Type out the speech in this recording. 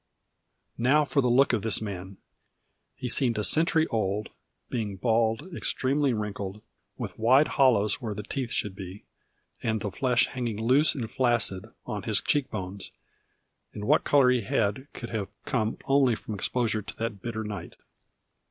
Now for the look of this man, he seemed a century old, being bald, extremely wrinkled, with wide hollows where the teeth should be, and the flesh hanging loose and flaccid on his cheek bones; and what colour he had could have come only from exposure to that bitter night.